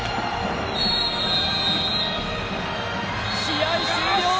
試合終了！